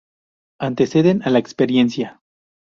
Anteceden a la experiencia.